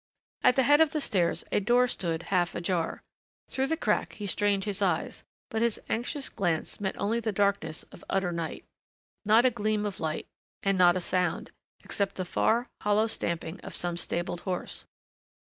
At the head of the stairs a door stood half ajar. Through the crack he strained his eyes, but his anxious glance met only the darkness of utter night. Not a gleam of light. And not a sound except the far, hollow stamping of some stabled horse.